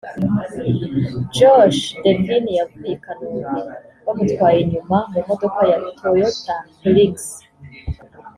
Josh Devine yavuye i Kanombe bamutwaye inyuma mu modoka ya Toyota Hilux